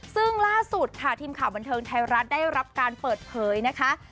ซึ่งล่าสุดค่ะทีมข่าวบันเทิงไทยรัฐได้รับการเปิดเผยนะคะ